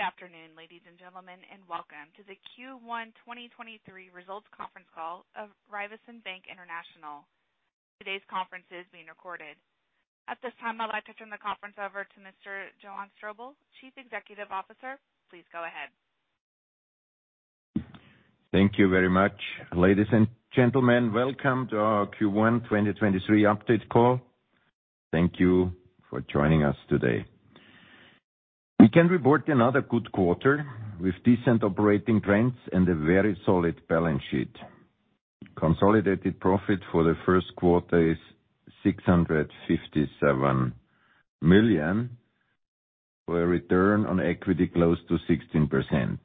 Good afternoon, ladies and gentlemen, and welcome to the Q1 2023 results conference call of Raiffeisen Bank International. Today's conference is being recorded. At this time, I'd like to turn the conference over to Mr. Johann Strobl, Chief Executive Officer. Please go ahead. Thank you very much. Ladies and gentlemen, welcome to our Q1 2023 update call. Thank you for joining us today. We can report another good quarter with decent operating trends and a very solid balance sheet. Consolidated profit for the first quarter is 657 million, for a return on equity close to 16%.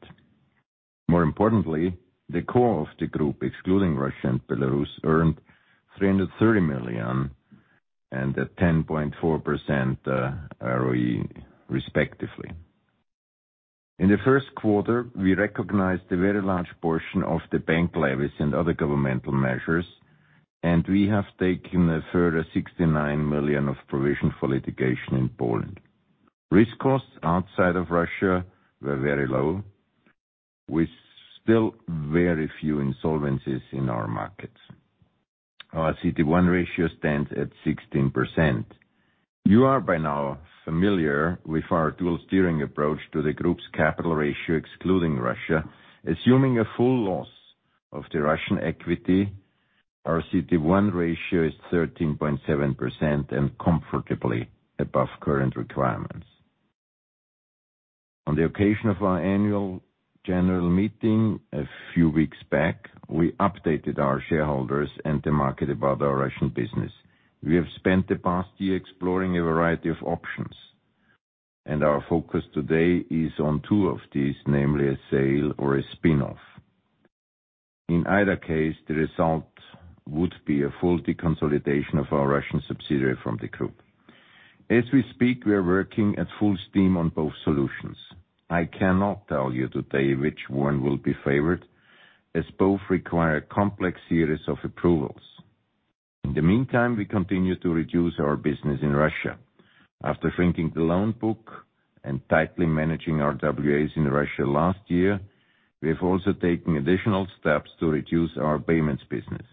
More importantly, the core of the group, excluding Russia and Belarus, earned 330 million and a 10.4% ROE, respectively. In the first quarter, we recognized a very large portion of the bank levies and other governmental measures, and we have taken a further 69 million of provision for litigation in Poland. Risk costs outside of Russia were very low, with still very few insolvencies in our markets. Our CET1 ratio stands at 16%. You are by now familiar with our dual steering approach to the group's capital ratio, excluding Russia. Assuming a full loss of the Russian equity, our CET1 ratio is 13.7% and comfortably above current requirements. On the occasion of our annual general meeting a few weeks back, we updated our shareholders and the market about our Russian business. We have spent the past year exploring a variety of options. Our focus today is on two of these, namely a sale or a spin-off. In either case, the result would be a full deconsolidation of our Russian subsidiary from the group. As we speak, we are working at full steam on both solutions. I cannot tell you today which one will be favored, as both require a complex series of approvals. In the meantime, we continue to reduce our business in Russia. After shrinking the loan book and tightly managing our RWAs in Russia last year, we have also taken additional steps to reduce our payments business.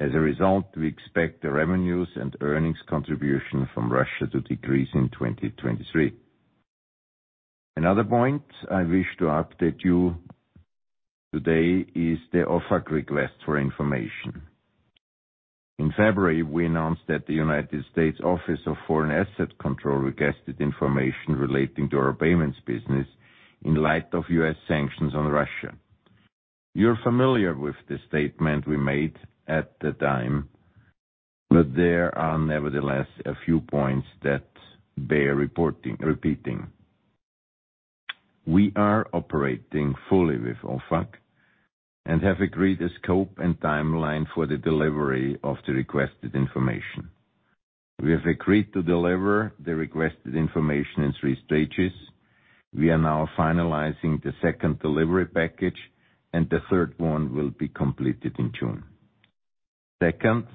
As a result, we expect the revenues and earnings contribution from Russia to decrease in 2023. Another point I wish to update you today is the OFAC request for information. In February, we announced that the United States Office of Foreign Assets Control requested information relating to our payments business in light of U.S. sanctions on Russia. You're familiar with the statement we made at the time, there are nevertheless a few points that bear repeating. We are operating fully with OFAC and have agreed a scope and timeline for the delivery of the requested information. We have agreed to deliver the requested information in three stages. We are now finalizing the second delivery package, the third one will be completed in June. Second,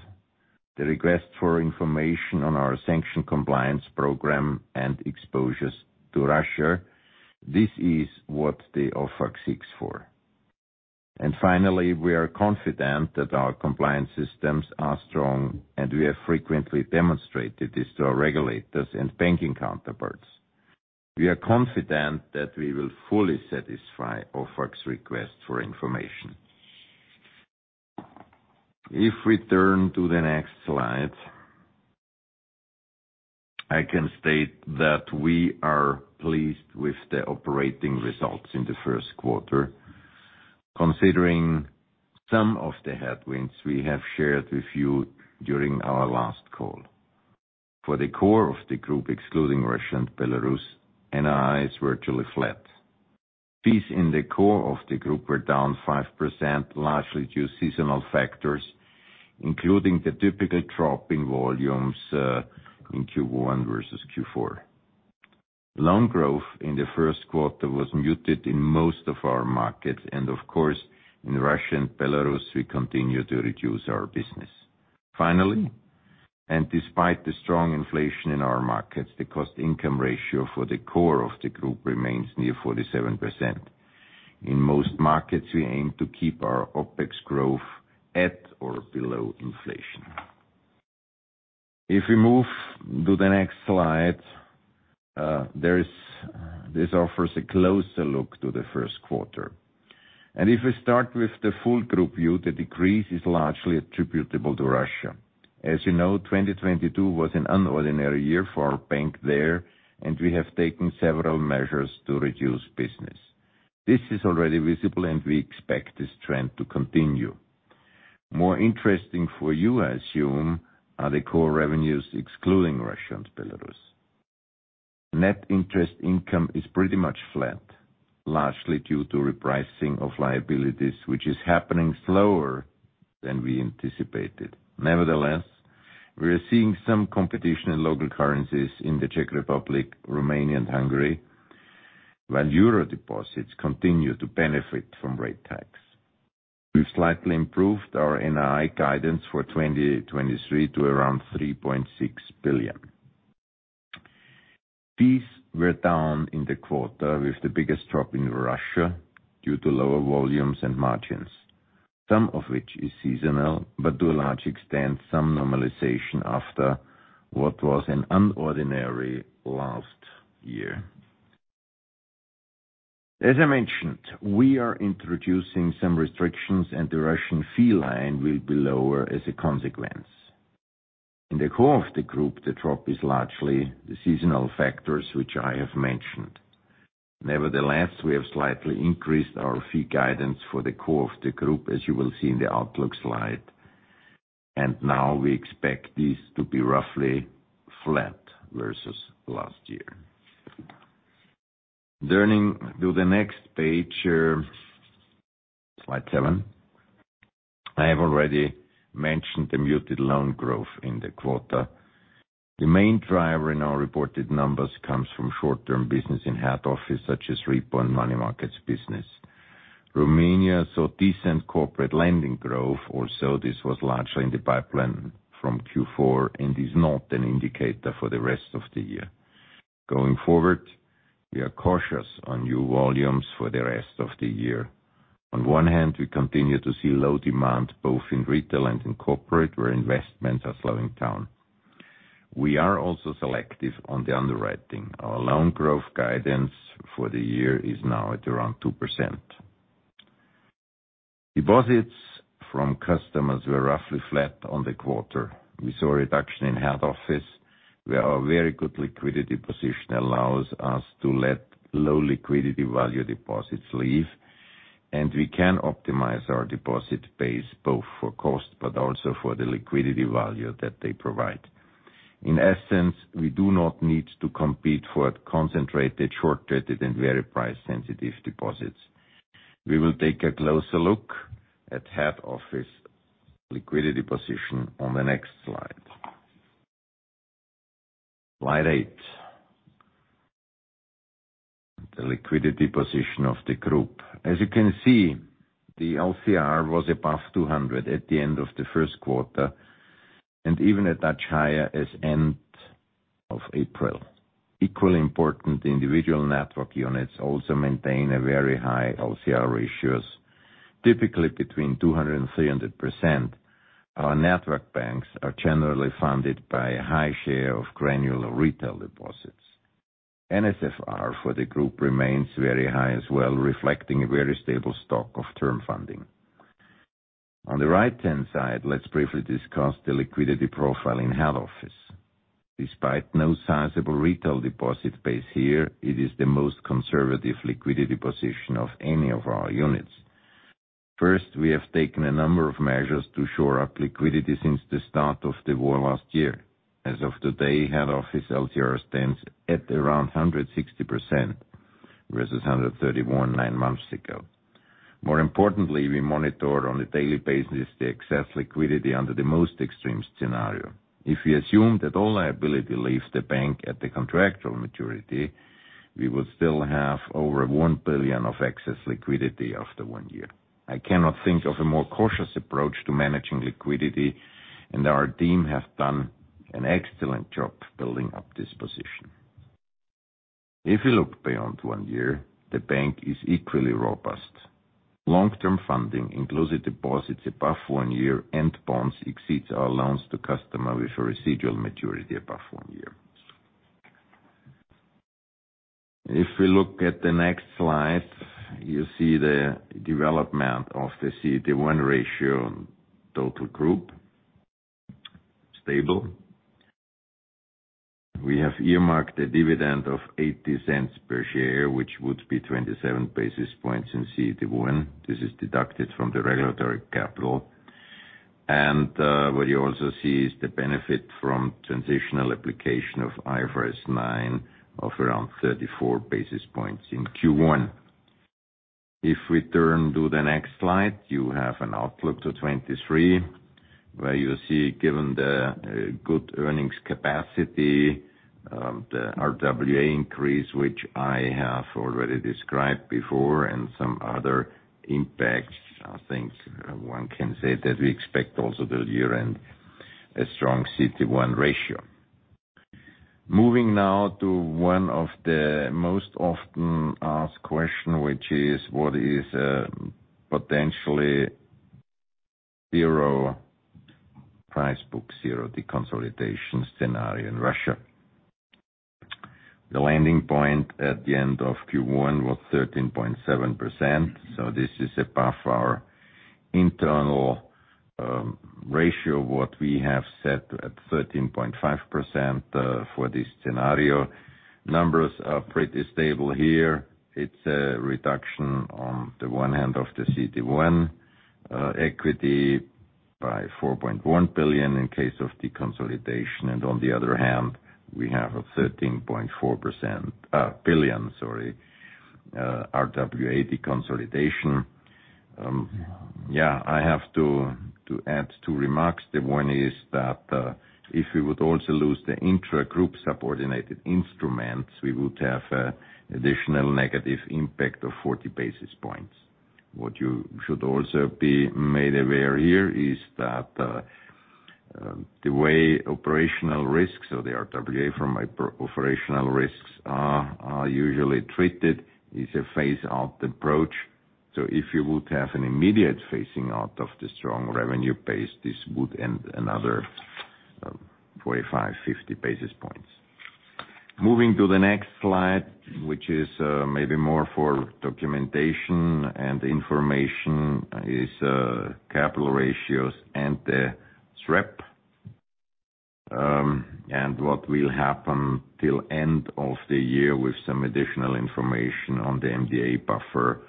the request for information on our sanction compliance program and exposures to Russia, this is what the OFAC seeks for. Finally, we are confident that our compliance systems are strong, and we have frequently demonstrated this to our regulators and banking counterparts. We are confident that we will fully satisfy OFAC's request for information. If we turn to the next slide, I can state that we are pleased with the operating results in the first quarter, considering some of the headwinds we have shared with you during our last call. For the core of the group, excluding Russia and Belarus, NII is virtually flat. Fees in the core of the group were down 5%, largely due to seasonal factors, including the typical drop in volumes in Q1 versus Q4. Loan growth in the first quarter was muted in most of our markets. Of course, in Russia and Belarus, we continue to reduce our business. Finally, despite the strong inflation in our markets, the cost/income ratio for the core of the group remains near 47%. In most markets, we aim to keep our OpEx growth at or below inflation. If we move to the next slide, this offers a closer look to the first quarter. If we start with the full group view, the decrease is largely attributable to Russia. As you know, 2022 was an unordinary year for our bank there, and we have taken several measures to reduce business. This is already visible, and we expect this trend to continue. More interesting for you, I assume, are the core revenues excluding Russia and Belarus. Net interest income is pretty much flat, largely due to repricing of liabilities, which is happening slower than we anticipated. Nevertheless, we are seeing some competition in local currencies in the Czech Republic, Romania and Hungary, while euro deposits continue to benefit from rate tax. We've slightly improved our NII guidance for 2023 to around 3.6 billion. Fees were down in the quarter with the biggest drop in Russia due to lower volumes and margins, some of which is seasonal, but to a large extent, some normalization after what was an unordinary last year. As I mentioned, we are introducing some restrictions, and the Russian fee line will be lower as a consequence. In the core of the group, the drop is largely the seasonal factors which I have mentioned. Nevertheless, we have slightly increased our fee guidance for the core of the group, as you will see in the outlook slide. Now we expect this to be roughly flat versus last year. Turning to the next page, slide 7. I have already mentioned the muted loan growth in the quarter. The main driver in our reported numbers comes from short-term business in head office such as repo and money markets business. Romania saw decent corporate lending growth, or so this was largely in the pipeline from Q4 and is not an indicator for the rest of the year. Going forward, we are cautious on new volumes for the rest of the year. On one hand, we continue to see low demand both in retail and in corporate, where investments are slowing down. We are also selective on the underwriting. Our loan growth guidance for the year is now at around 2%. Deposits from customers were roughly flat on the quarter. We saw a reduction in head office, where our very good liquidity position allows us to let low liquidity value deposits leave, and we can optimize our deposit base both for cost but also for the liquidity value that they provide. In essence, we do not need to compete for concentrated, short-dated, and very price-sensitive deposits. We will take a closer look at head office liquidity position on the next slide. Slide 8. The liquidity position of the group. As you can see, the LCR was above 200 at the end of the first quarter and even a touch higher as end of April. Equally important, individual network units also maintain a very high LCR ratios, typically between 200% and 300%. Our network banks are generally funded by a high share of granular retail deposits. NSFR for the group remains very high as well, reflecting a very stable stock of term funding. On the right-hand side, let's briefly discuss the liquidity profile in head office. Despite no sizable retail deposit base here, it is the most conservative liquidity position of any of our units. First, we have taken a number of measures to shore up liquidity since the start of the war last year. As of today, head office LCR stands at around 160%, versus 131% nine months ago. More importantly, we monitor on a daily basis the excess liquidity under the most extreme scenario. If we assume that all liability leaves the bank at the contractual maturity, we would still have over 1 billion of excess liquidity after one year. I cannot think of a more cautious approach to managing liquidity. Our team have done an excellent job building up this position. If you look beyond one year, the bank is equally robust. Long-term funding includes deposits above one year and bonds exceeds our loans to customer with a residual maturity above one year. If we look at the next slide, you see the development of the CET1 ratio on total group, stable. We have earmarked a dividend of 0.80 per share, which would be 27 basis points in CET1. This is deducted from the regulatory capital. What you also see is the benefit from transitional application of IFRS 9 of around 34 basis points in Q1. We turn to the next slide, you have an outlook to 2023, where you see, given the good earnings capacity, the RWA increase, which I have already described before, and some other impacts, I think one can say that we expect also the year-end a strong CET1 ratio. Moving now to one of the most often asked question, which is what is a potentially zero price book, zero deconsolidation scenario in Russia. The landing point at the end of Q1 was 13.7%, so this is above our internal ratio, what we have set at 13.5% for this scenario. Numbers are pretty stable here. It's a reduction on the one hand of the CET1 equity by 4.1 billion in case of deconsolidation, on the other hand, we have a 13.4 billion, sorry, RWA deconsolidation. Yeah, I have to add two remarks. The one is that if we would also lose the intragroup subordinated instruments, we would have additional negative impact of 40 basis points. What you should also be made aware here is that the way operational risks or the RWA from my pro-operational risks are usually treated is a phase out approach. If you would have an immediate phasing out of the strong revenue base, this would end another 45, 50 basis points. Moving to the next slide, which is maybe more for documentation and information is capital ratios and the SREP. What will happen till end of the year with some additional information on the MDA buffer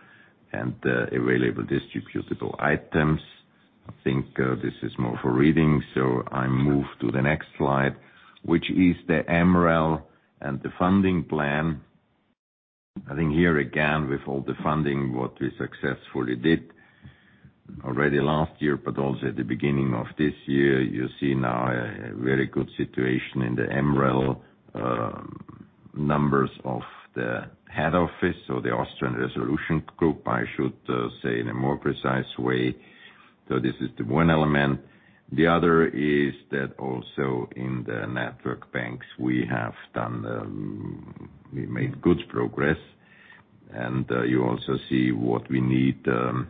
and the available distributable items. I think this is more for reading, I move to the next slide, which is the MREL and the funding plan. I think here again, with all the funding, what we successfully did already last year, but also at the beginning of this year, you see now a very good situation in the MREL numbers of the head office or the Austrian Resolution Group, I should say in a more precise way. This is the one element. The other is that also in the network banks, we have done, we made good progress, you also see what we need or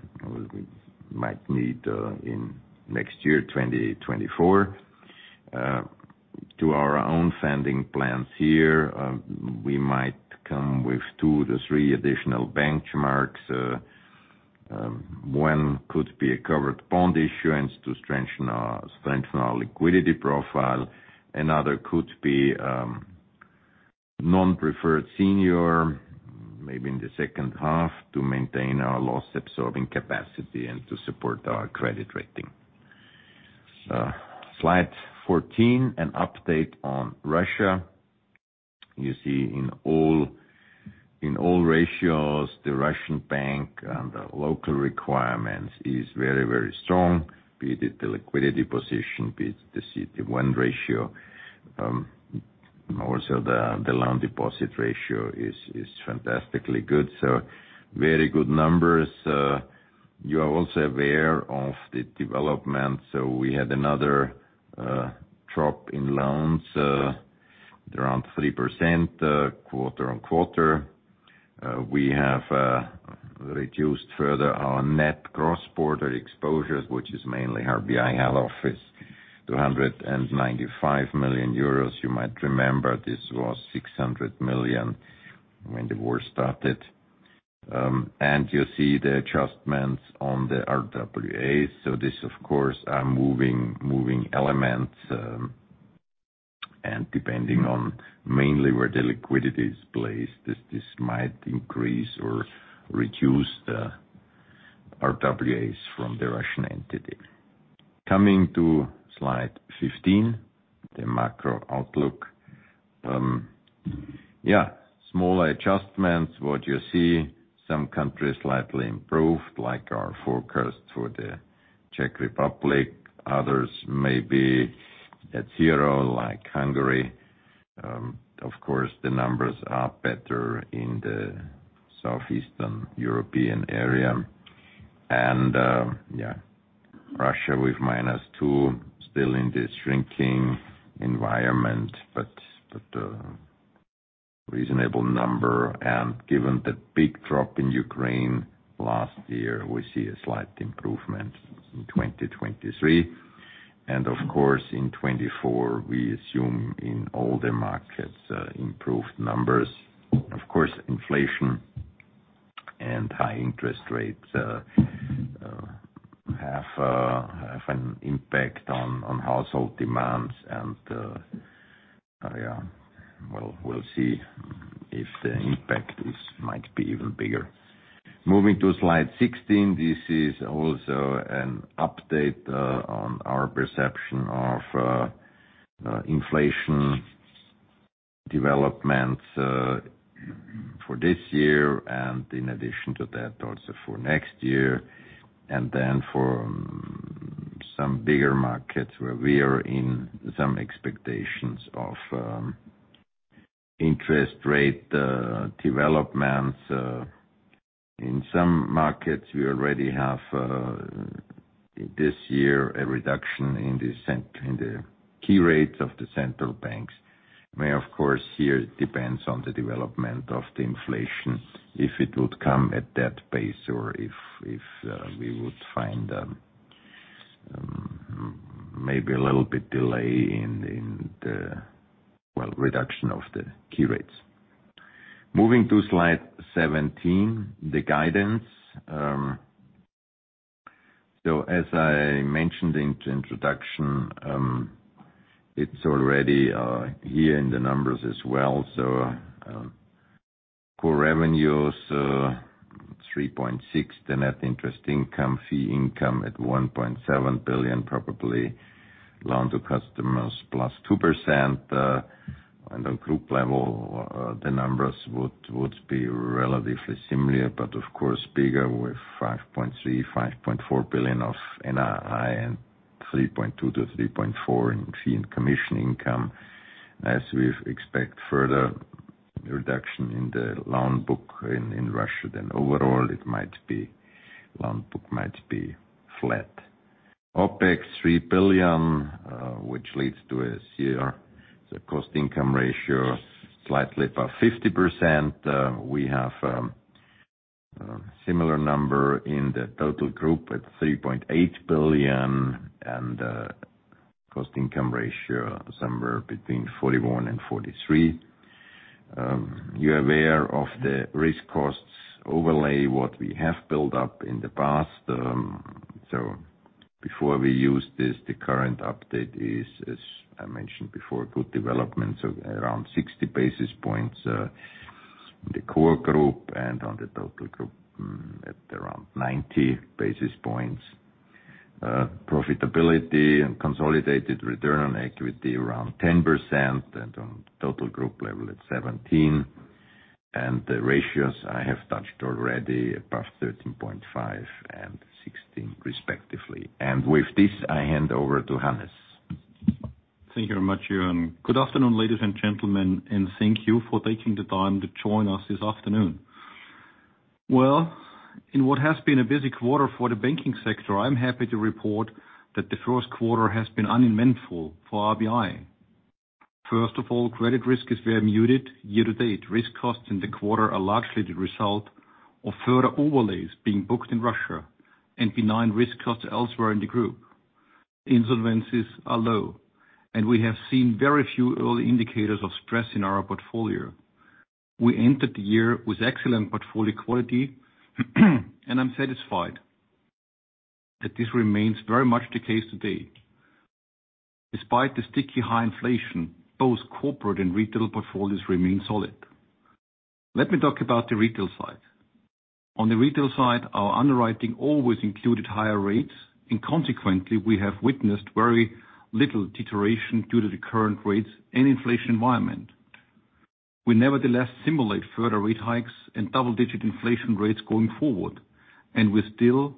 we might need in next year, 2024. To our own funding plans here, we might come with two to three additional benchmarks. One could be a covered bond issuance to strengthen our liquidity profile. Another could be non-preferred senior, maybe in the second half to maintain our loss absorbing capacity and to support our credit rating. Slide 14, an update on Russia. You see in all ratios, the Russian bank and the local requirements is very, very strong. Be it the liquidity position, be it the CET1 ratio. Also the loan/deposit ratio is fantastically good. Very good numbers. You are also aware of the development. We had another drop in loans, around 3% quarter-on-quarter. We have reduced further our net cross-border exposures, which is mainly RBI head office, 295 million euros. You might remember this was 600 million when the war started. You see the adjustments on the RWAs. This of course are moving elements, and depending on mainly where the liquidity is placed, this might increase or reduce the RWAs from the Russian entity. Coming to slide 15, the macro outlook. Yeah, small adjustments, what you see some countries slightly improved, like our forecast for the Czech Republic, others may be at zero, like Hungary. Of course, the numbers are better in the Southeastern European area. Yeah, Russia with -2 still in the shrinking environment, but reasonable number. Given the big drop in Ukraine last year, we see a slight improvement in 2023. Of course, in 2024 we assume in all the markets improved numbers. Of course, inflation and high interest rates have an impact on household demands. Yeah. Well, we'll see if the impact is, might be even bigger. Moving to slide 16. This is also an update on our perception of inflation developments for this year and in addition to that, also for next year. For some bigger markets where we are in some expectations of interest rate developments, in some markets we already have this year a reduction in the key rates of the central banks. May of course here it depends on the development of the inflation, if it would come at that pace or if we would find maybe a little bit delay in the reduction of the key rates. Moving to slide 17, the guidance. As I mentioned in introduction, it's already here in the numbers as well. Core revenues, 3.6 billion, the net interest income, fee income at 1.7 billion, probably loan to customers +2%, on the group level, the numbers would be relatively similar, but of course bigger with 5.3 billion-5.4 billion of NII and 3.2 billion-3.4 billion in fee and commission income. As we expect further reduction in the loan book in Russia. Overall it might be, loan book might be flat. OpEx 3 billion, which leads to a CR, the cost/income ratio slightly above 50%. We have a similar number in the total group at 3.8 billion and cost/income ratio somewhere between 41% and 43%. You're aware of the risk costs overlay what we have built up in the past. Before we use this, the current update is, as I mentioned before, good development, around 60 basis points in the core group and on the total group at around 90 basis points. Profitability and consolidated Return on Equity around 10% and on total group level at 17%. The ratios I have touched already above 13.5% and 16% respectively. With this, I hand over to Hannes. Thank you very much, Johann. Good afternoon, ladies and gentlemen, and thank you for taking the time to join us this afternoon. In what has been a busy quarter for the banking sector, I'm happy to report that the first quarter has been uneventful for RBI. First of all, credit risk is very muted year-to-date. Risk costs in the quarter are largely the result of further overlays being booked in Russia and benign risk costs elsewhere in the group. Insolvencies are low, and we have seen very few early indicators of stress in our portfolio. We entered the year with excellent portfolio quality, and I'm satisfied that this remains very much the case today. Despite the sticky high inflation, both corporate and retail portfolios remain solid. Let me talk about the retail side. On the retail side, our underwriting always included higher rates, consequently, we have witnessed very little deterioration due to the current rates and inflation environment. We nevertheless simulate further rate hikes and double-digit inflation rates going forward, we still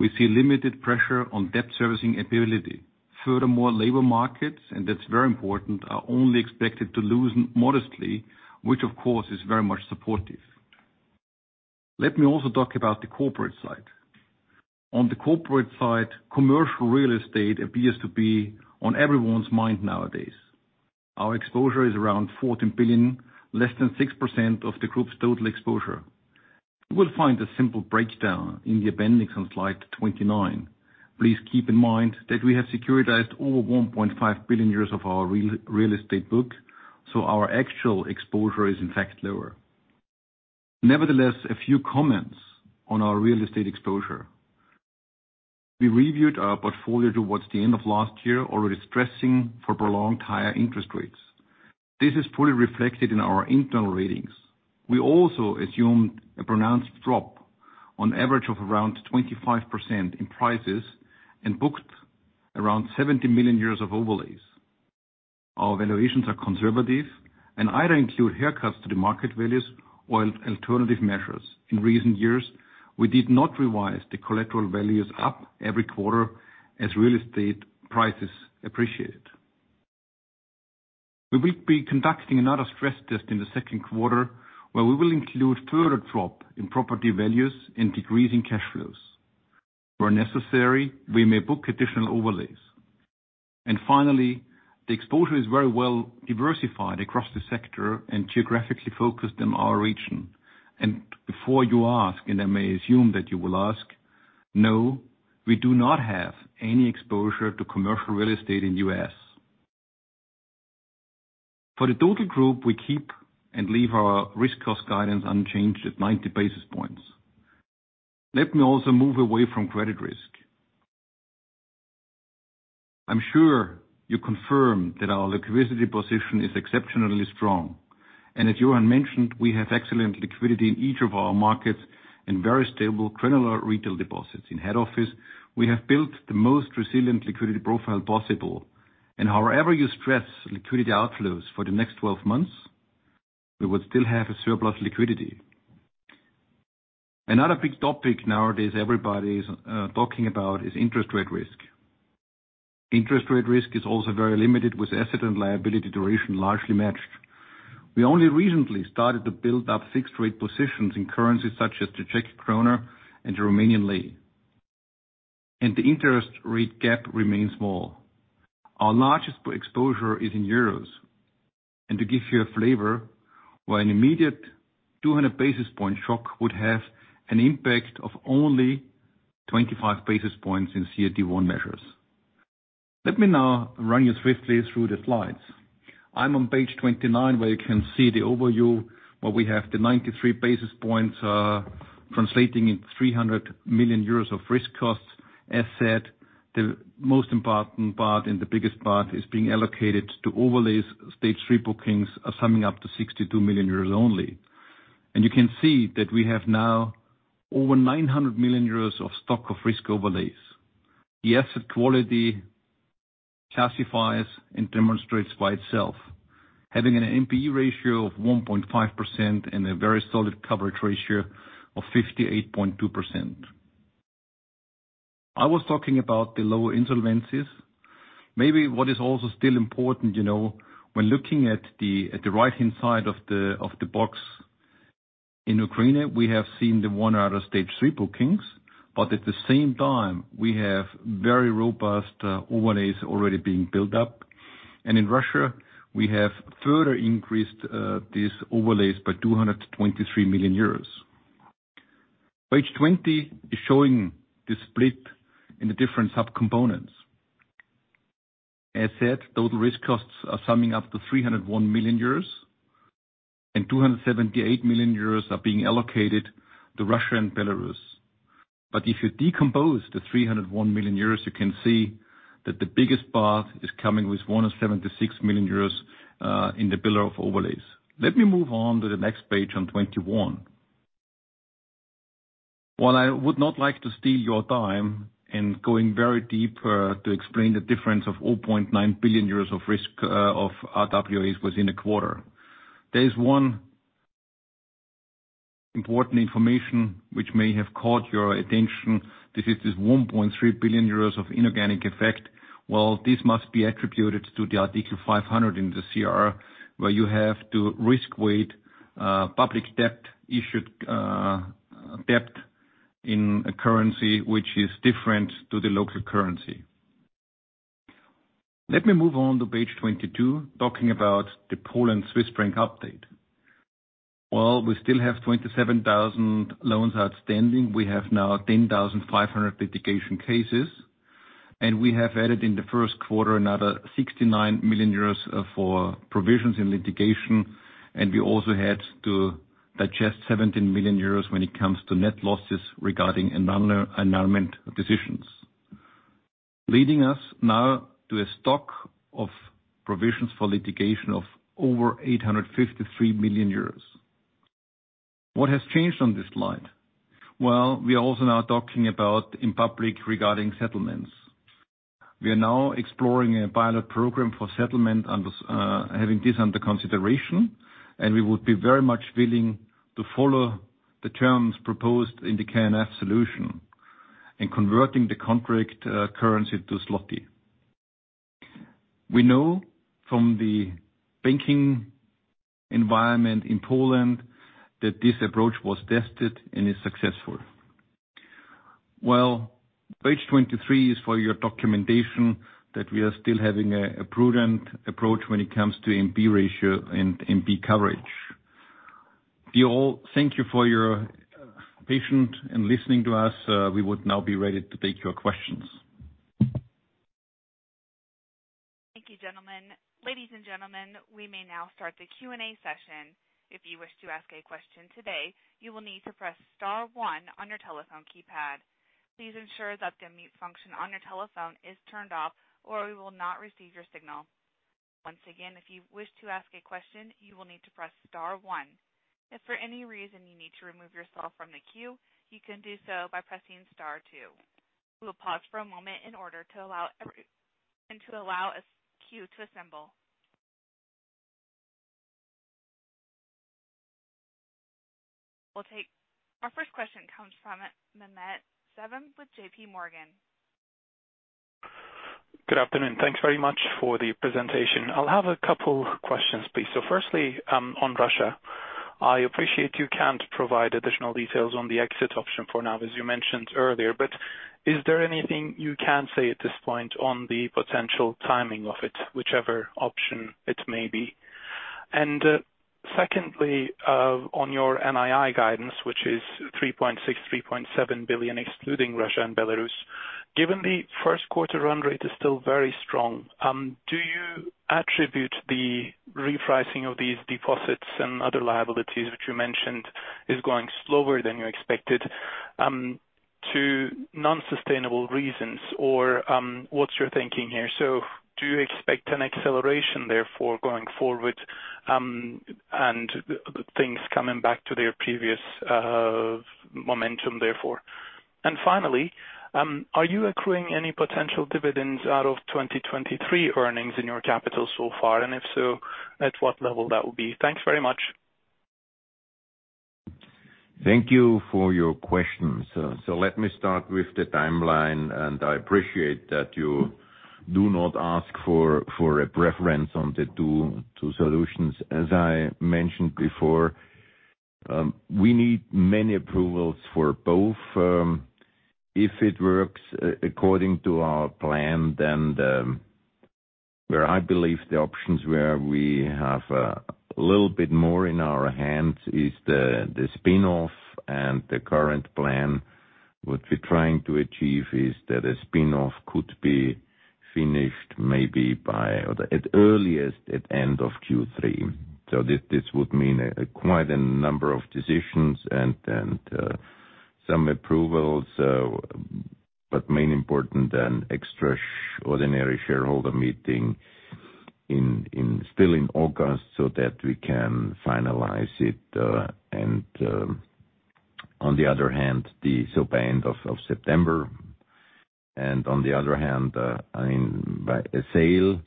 see limited pressure on debt-servicing ability. Labor markets, and that's very important, are only expected to loosen modestly, which of course is very much supportive. Let me also talk about the corporate side. Commercial real estate appears to be on everyone's mind nowadays. Our exposure is around 14 billion, less than 6% of the group's total exposure. We'll find a simple breakdown in the appendix on slide 29. Please keep in mind that we have securitized over 1.5 billion euros of our real estate book, our actual exposure is in fact lower. A few comments on our real estate exposure. We reviewed our portfolio towards the end of last year, already stressing for prolonged higher interest rates. This is fully reflected in our internal ratings. We also assumed a pronounced drop on average of around 25% in prices and booked around 70 million of overlays. Our valuations are conservative and either include haircuts to the market values or alternative measures. In recent years, we did not revise the collateral values up every quarter as real estate prices appreciated. We will be conducting another stress test in the second quarter, where we will include further drop in property values and decrease in cash flows. Where necessary, we may book additional overlays. Finally, the exposure is very well diversified across the sector and geographically focused in our region. Before you ask, and I may assume that you will ask, no, we do not have any exposure to commercial real estate in the U.S. For the total group, we keep and leave our risk cost guidance unchanged at 90 basis points. Let me also move away from credit risk. I'm sure you confirm that our liquidity position is exceptionally strong. As Johann mentioned, we have excellent liquidity in each of our markets and very stable criminal retail deposits. In head office, we have built the most resilient liquidity profile possible. However you stress liquidity outflows for the next 12 months, we would still have a surplus liquidity. Another big topic nowadays everybody's talking about is interest rate risk. Interest rate risk is also very limited with asset and liability duration largely matched. We only recently started to build up fixed rate positions in currencies such as the Czech koruna and the Romanian leu. The interest rate gap remains small. Our largest exposure is in euros. To give you a flavor, where an immediate 200 basis point shock would have an impact of only 25 basis points in CET1 measures. Let me now run you swiftly through the slides. I'm on page 29, where you can see the overview, where we have the 93 basis points, translating in 300 million euros of risk costs. As said, the most important part and the biggest part is being allocated to overlays. Stage 3 bookings are summing up to 62 million euros only. You can see that we have now over 900 million euros of stock of risk overlays. The asset quality classifies and demonstrates by itself, having an NPE ratio of 1.5% and a very solid coverage ratio of 58.2%. I was talking about the lower insolvencies. Maybe what is also still important, you know, when looking at the, at the right-hand side of the, of the box. In Ukraine, we have seen the one out of Stage 3 bookings, but at the same time we have very robust overlays already being built up. In Russia, we have further increased these overlays by 223 million euros. Page 20 is showing the split in the different subcomponents. As said, total risk costs are summing up to 301 million euros and 278 million euros are being allocated to Russia and Belarus. If you decompose the 301 million euros, you can see that the biggest part is coming with 176 million euros in the bill of overlays. Let me move on to the next page on 21. While I would not like to steal your time in going very deep to explain the difference of 0.9 billion euros of risk of RWAs within a quarter. There is one important information which may have caught your attention. This is this 1.3 billion euros of inorganic effect. Well, this must be attributed to the Article 500 in the CRR, where you have to risk-weight public debt issued debt in a currency which is different to the local currency. Let me move on to page 22, talking about the Poland Swiss Franc update. Well, we still have 27,000 loans outstanding. We have now 10,500 litigation cases, and we have added in the first quarter another 69 million euros for provisions in litigation. We also had to digest 17 million euros when it comes to net losses regarding annulment decisions. Leading us now to a stock of provisions for litigation of over 853 million euros. What has changed on this slide? Well, we are also now talking about in public regarding settlements. We are now exploring a pilot program for settlement under having this under consideration, and we would be very much willing to follow the terms proposed in the KNF solution in converting the contract currency to zloty. We know from the banking environment in Poland that this approach was tested and is successful. Well, page 23 is for your documentation that we are still having a prudent approach when it comes to NP ratio and NP coverage. We all thank you for your patience in listening to us. We would now be ready to take your questions. Thank you, gentlemen. Ladies and gentlemen, we may now start the Q&A session. If you wish to ask a question today, you will need to press star 1 on your telephone keypad. Please ensure that the mute function on your telephone is turned off or we will not receive your signal. Once again, if you wish to ask a question, you will need to press star 1. If for any reason you need to remove yourself from the queue, you can do so by pressing star 2. We will pause for a moment in order to allow and to allow a queue to assemble. Our first question comes from Mehmet Sevim with J.P. Morgan. Good afternoon. Thanks very much for the presentation. I'll have a couple questions, please. Firstly, on Russia. I appreciate you can't provide additional details on the exit option for now, as you mentioned earlier. Is there anything you can say at this point on the potential timing of it, whichever option it may be? Secondly, on your NII guidance, which is 3.6 billion-3.7 billion, excluding Russia and Belarus. Given the first quarter run rate is still very strong, do you attribute the repricing of these deposits and other liabilities, which you mentioned is going slower than you expected, to non-sustainable reasons or, what's your thinking here? Do you expect an acceleration therefore going forward, and the things coming back to their previous momentum therefore? Finally, are you accruing any potential dividends out of 2023 earnings in your capital so far? If so, at what level that would be? Thanks very much. Thank you for your questions. So let me start with the timeline, and I appreciate that you do not ask for a preference on the two solutions. As I mentioned before, we need many approvals for both. If it works according to our plan. Where I believe the options where we have a little bit more in our hands is the spin-off and the current plan. What we're trying to achieve is that a spin-off could be finished maybe by or the at earliest at end of Q3. So this would mean quite a number of decisions and some approvals, but main important an extraordinary shareholder meeting in still in August so that we can finalize it. On the other hand, by end of September, and on the other hand, I mean, by a sale.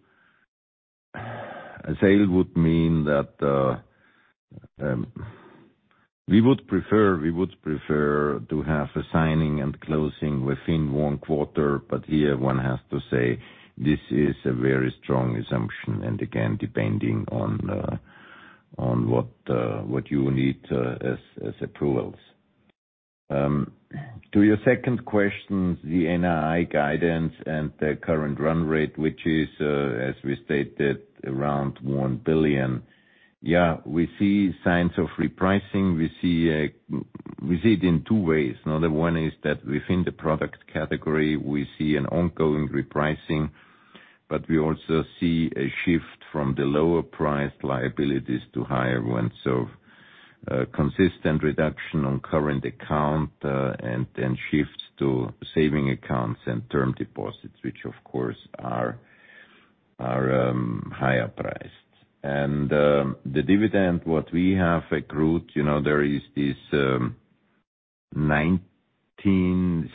A sale would mean that we would prefer to have a signing and closing within one quarter. Here one has to say this is a very strong assumption, and again depending on what you need as approvals. To your second question, the NII guidance and the current run rate, which is, as we stated, around 1 billion. Yeah, we see signs of repricing. We see it in two ways. Now, the one is that within the product category we see an ongoing repricing, but we also see a shift from the lower priced liabilities to higher ones. Consistent reduction on current account and then shifts to saving accounts and term deposits, which of course are higher priced. The dividend, what we have accrued, you know, there is this.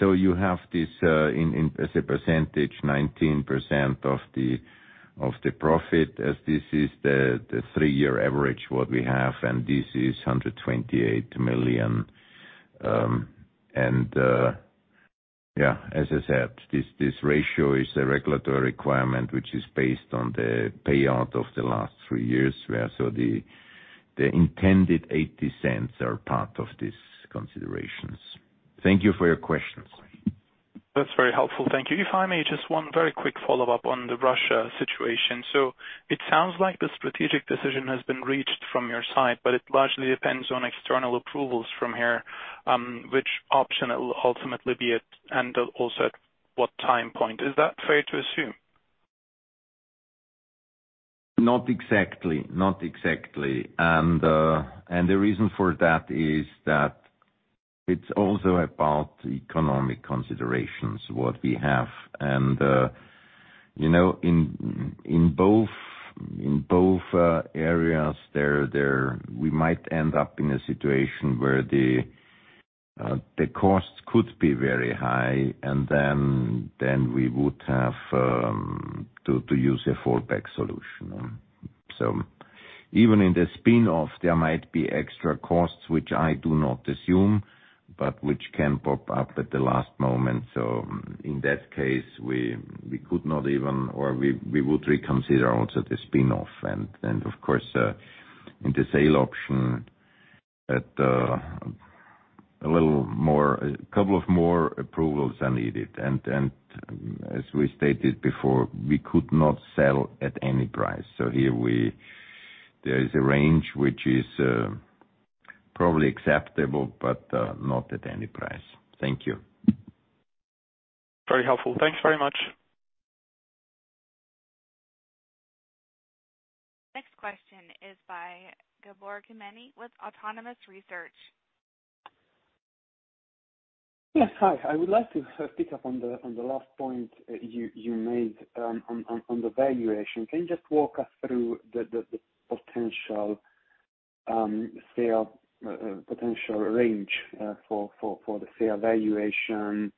You have this, as a percentage, 19% of the profit as this is the three-year average what we have, and this is 128 million. As I said, this ratio is a regulatory requirement which is based on the payout of the last three years. The intended 0.80 are part of these considerations. Thank you for your questions. That's very helpful. Thank you. If I may, just one very quick follow-up on the Russia situation. It sounds like the strategic decision has been reached from your side, but it largely depends on external approvals from here, which option it will ultimately be at, and also at what time point. Is that fair to assume? Not exactly. Not exactly. The reason for that is that it's also about economic considerations, what we have. You know, in both, in both areas. We might end up in a situation where the costs could be very high and then we would have to use a fallback solution. Even in the spin-off, there might be extra costs, which I do not assume, but which can pop up at the last moment. In that case we could not even or we would reconsider also the spin-off. Of course, in the sale option at a little more. A couple of more approvals are needed. As we stated before, we could not sell at any price. There is a range which is probably acceptable, but not at any price. Thank you. Very helpful. Thanks very much. Next question is by Gabor Kemeny with Autonomous Research. Yes. Hi. I would like to pick up on the last point you made on the valuation. Can you just walk us through the potential sale, potential range for the sale valuation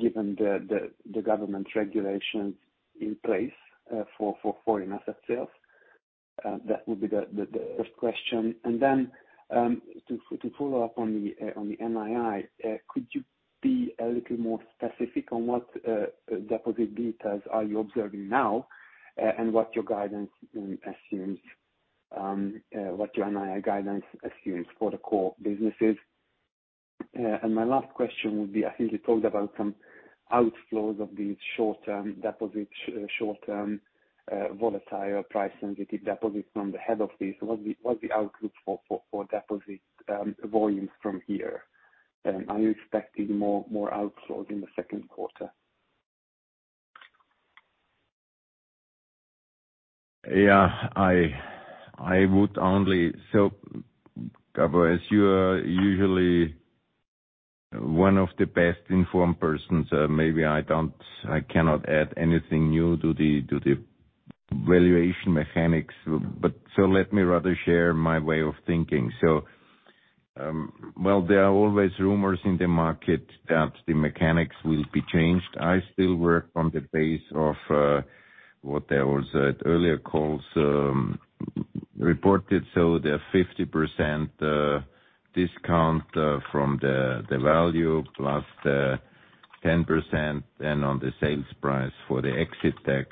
given the government regulations in place for foreign asset sales? That would be the first question. Then to follow up on the NII, could you be a little more specific on what deposit betas are you observing now and what your guidance assumes what your NII guidance assumes for the core businesses? My last question would be, I think you told about some outflows of these short-term deposits, short-term volatile price sensitive deposits from the head of this. What the outlook for deposit volume from here? Are you expecting more outflow in the second quarter? Gabor, as you are usually one of the best informed persons, maybe I cannot add anything new to the valuation mechanics, but so let me rather share my way of thinking. Well, there are always rumors in the market that the mechanics will be changed. I still work on the base of what there was at earlier calls reported. The 50% discount from the value plus the 10% and on the sales price for the exit tax.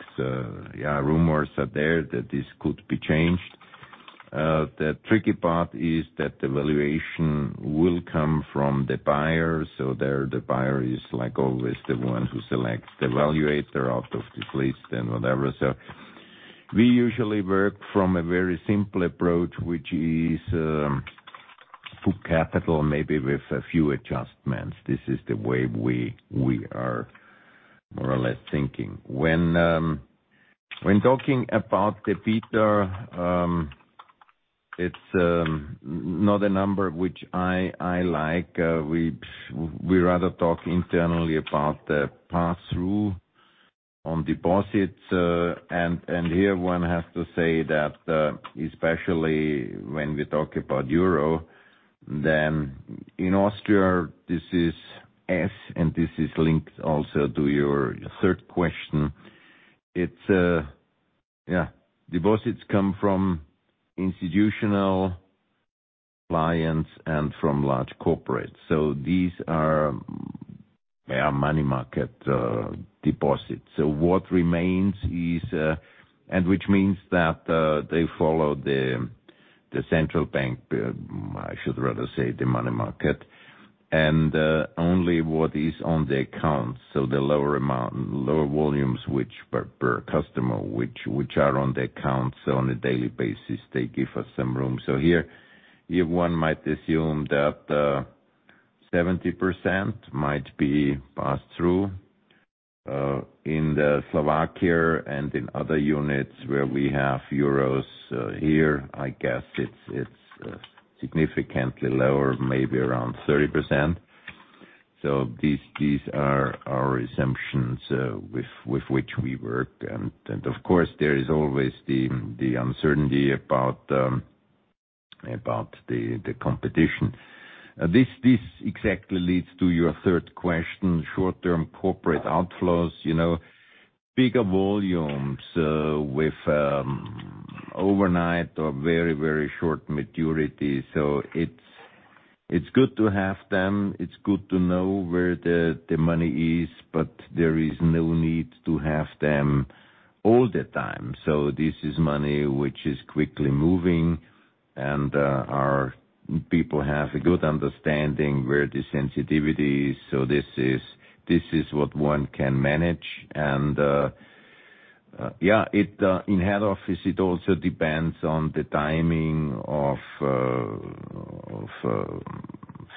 Yeah, rumors are there that this could be changed. The tricky part is that the valuation will come from the buyer. There the buyer is like always the one who selects the valuator out of this list and whatever. We usually work from a very simple approach, which is full capital maybe with a few adjustments. This is the way we are more or less thinking. When talking about the beta, it's not a number which I like. We rather talk internally about the pass-through on deposits. Here one has to say that especially when we talk about euro. Then in Austria, this is S, and this is linked also to your third question. It's yeah. Deposits come from institutional clients and from large corporates. These are, they are money market deposits. What remains is. Which means that they follow the central bank, I should rather say, the money market, and only what is on the account. The lower amount, lower volumes which per customer which are on the accounts on a daily basis, they give us some room. Here one might assume that 70% might be passed through in Slovakia and in other units where we have euros, here, I guess it's significantly lower, maybe around 30%. These are our assumptions with which we work. Of course, there is always the uncertainty about the competition. This exactly leads to your third question. Short-term corporate outflows, you know, bigger volumes with overnight or very short maturity. It's good to have them, it's good to know where the money is, but there is no need to have them all the time. This is money which is quickly moving, and our people have a good understanding where the sensitivity is. This is what one can manage. Yeah, it in head office, it also depends on the timing of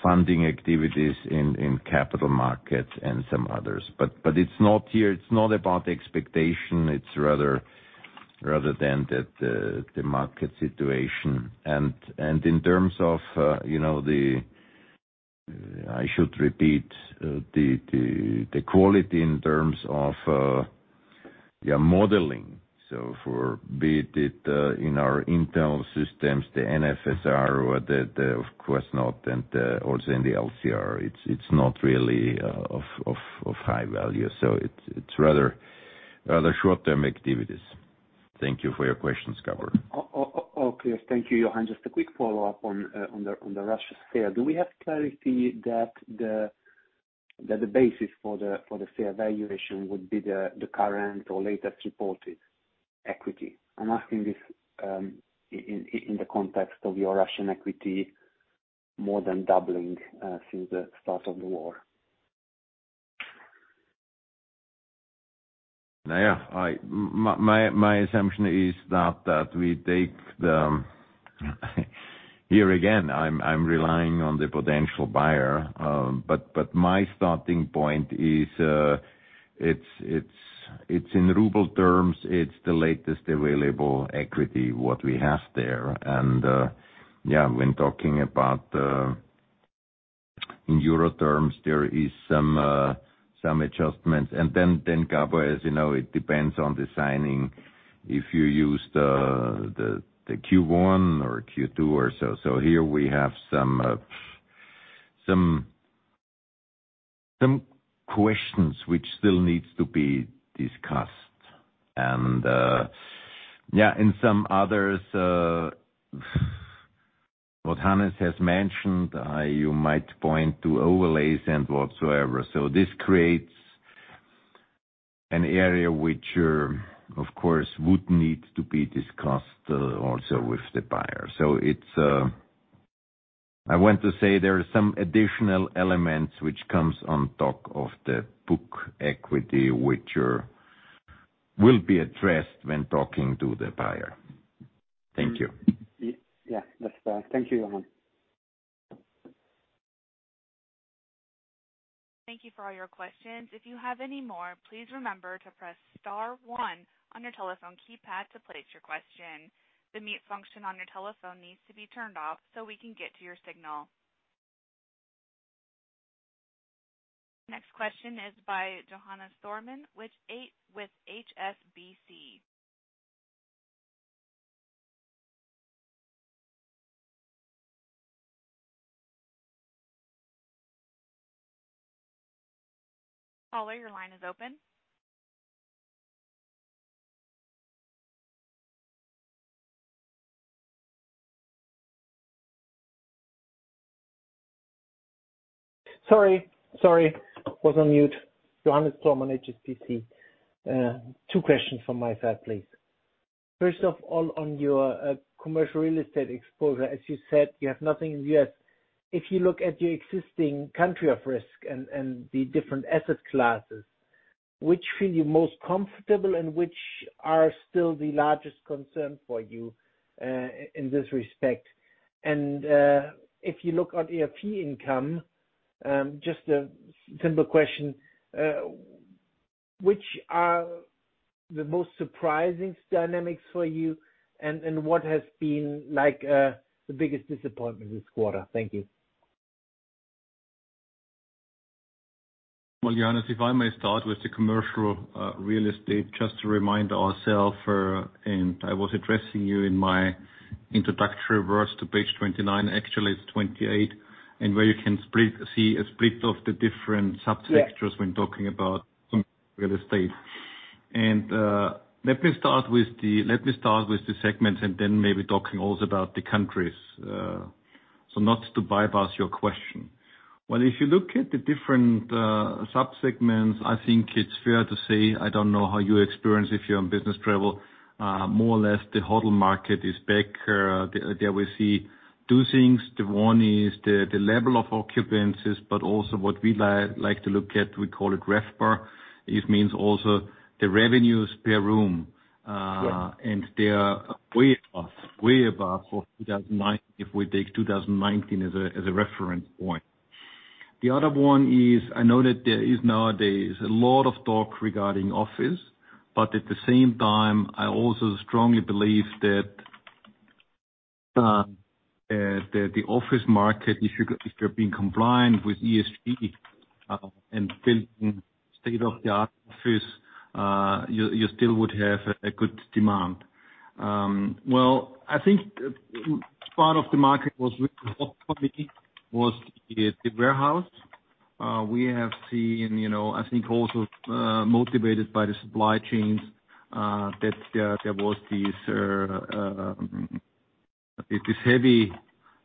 funding activities in capital markets and some others. But it's not here, it's not about expectation, it's rather than the market situation. In terms of, you know. I should repeat the quality in terms of modeling. For be it, in our internal systems, the NSFR or the of course not and also in the LCR, it's not really of high value. It's rather short-term activities. Thank you for your questions, Gabor. Okay. Thank you, Johann. Just a quick follow-up on the Russia sale. Do we have clarity that the basis for the sale valuation would be the current or latest reported equity? I'm asking this in the context of your Russian equity more than doubling since the start of the war. My assumption is that we take the Here again, I'm relying on the potential buyer, but my starting point is it's in RUB terms, it's the latest available equity, what we have there. When talking about in euro terms, there is some adjustments. Then Gabor, as you know, it depends on the signing, if you use the Q1 or Q2 or so. Here we have some questions which still needs to be discussed. In some others, what Hannes has mentioned, you might point to overlays and whatsoever. This creates an area which of course would need to be discussed also with the buyer. It's. I want to say there are some additional elements which comes on top of the book equity, which will be addressed when talking to the buyer. Thank you. Yeah, that's better. Thank you, Johann. Thank you for all your questions. If you have any more, please remember to press star one on your telephone keypad to place your question. The mute function on your telephone needs to be turned off so we can get to your signal. Next question is by Johannes Thormann with HSBC. Caller, your line is open. Sorry. Was on mute. Johannes Thormann, HSBC. Two questions from my side, please. First of all, on your commercial real estate exposure, as you said, you have nothing in the U.S. If you look at your existing country of risk and the different asset classes, which feel you most comfortable and which are still the largest concern for you in this respect? If you look at fee income, just a simple question, which are the most surprising dynamics for you and what has been like the biggest disappointment this quarter? Thank you. Well, Johannes, if I may start with the commercial real estate, just to remind ourself, and I was addressing you in my introductory verse to page 29, actually it's 28, where you can see a split of the different subsectors when talking about some real estate. Let me start with the segments and then maybe talking also about the countries, so not to bypass your question. Well, if you look at the different sub-segments, I think it's fair to say, I don't know how you experience if you're on business travel, more or less the hotel market is back. There we see two things. The one is the level of occupancies, but also what we like to look at, we call it RevPAR. It means also the revenues per room. Yeah. They are way above for 2019. If we take 2019 as a reference point. The other one is, I know that there is nowadays a lot of talk regarding office. At the same time, I also strongly believe that the office market, if you're being compliant with ESG and building state-of-the-art office, you still would have a good demand. Well, I think part of the market was really the warehouse. We have seen, you know, I think also motivated by the supply chains, that there was these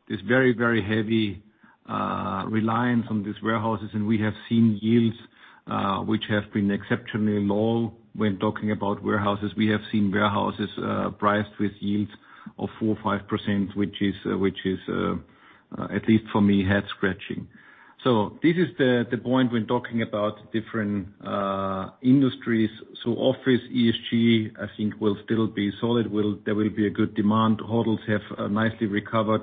this very, very heavy reliance on these warehouses. We have seen yields which have been exceptionally low when talking about warehouses. We have seen warehouses priced with yields of 4% or 5%, which is, which is at least for me, head-scratching. This is the point when talking about different industries. Office ESG, I think will still be solid. There will be a good demand. Hotels have nicely recovered.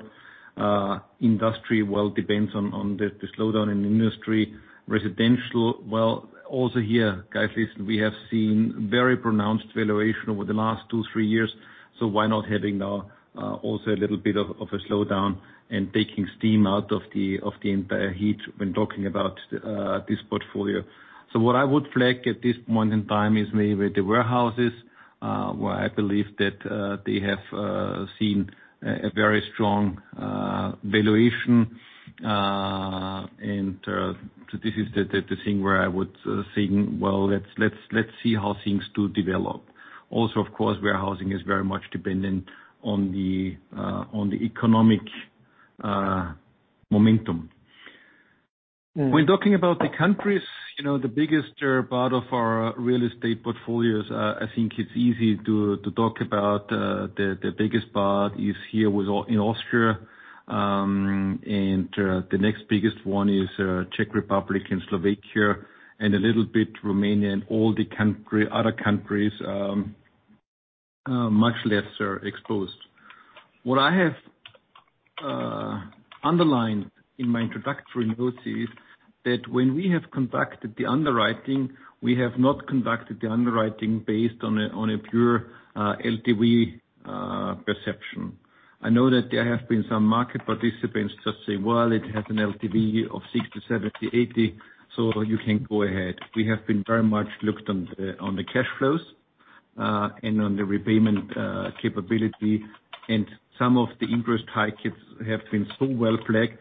Industry, well, depends on the slowdown in industry. Residential, well, also here, guys, listen, we have seen very pronounced valuation over the last two, three years. Why not having now also a little bit of a slowdown and taking steam out of the entire heat when talking about this portfolio. What I would flag at this point in time is maybe the warehouses, where I believe that they have seen a very strong valuation. This is the thing where I would think, well, let's see how things do develop. Also, of course, warehousing is very much dependent on the economic momentum. When talking about the countries, you know, the biggest part of our real estate portfolios, I think it's easy to talk about, the biggest part is here in Austria. The next biggest one is Czech Republic and Slovakia, and a little bit Romania and other countries, much lesser exposed. What I have underlined in my introductory notes is that when we have conducted the underwriting, we have not conducted the underwriting based on a pure LTV perception. I know that there have been some market participants just say, "Well, it has an LTV of 60, 70, 80, so you can go ahead." We have been very much looked on the cash flows and on the repayment capability. Some of the interest hike have been so well flagged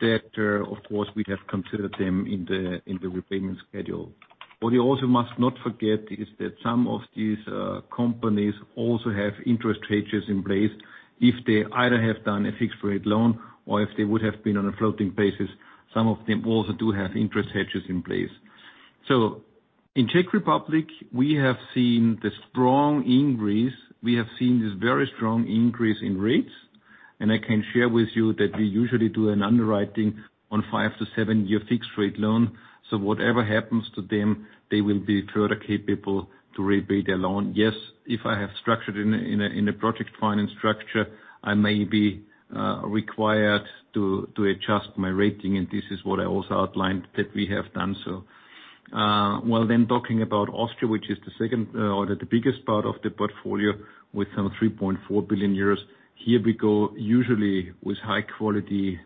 that, of course, we have considered them in the repayment schedule. What you also must not forget is that some of these companies also have interest hedges in place. If they either have done a fixed rate loan or if they would have been on a floating basis. Some of them also do have interest hedges in place. In Czech Republic, we have seen the strong increase. We have seen this very strong increase in rates. I can share with you that we usually do an underwriting on five to seven-year fixed rate loan. Whatever happens to them, they will be further capable to repay their loan. Yes, if I have structured in a project finance structure, I may be required to adjust my rating. This is what I also outlined that we have done so. Well, talking about Austria, which is the second or the biggest part of the portfolio with some 3.4 billion euros. Here we go usually with high quality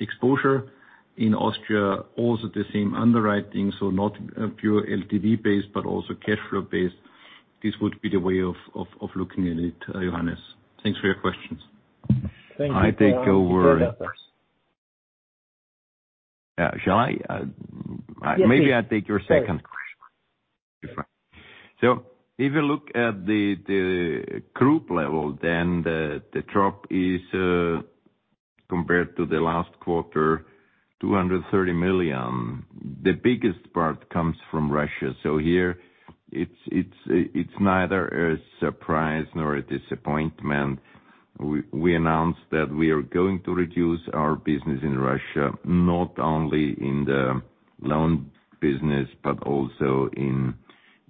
exposure. In Austria, also the same underwriting, so not a pure LTV base, but also cash flow base. This would be the way of looking at it, Johannes. Thanks for your questions. Thank you. I take over. Shall I? Maybe I take your second question. If you look at the group level, then the drop is compared to the last quarter, 230 million. The biggest part comes from Russia. Here it's neither a surprise nor a disappointment. We announced that we are going to reduce our business in Russia, not only in the loan business, but also in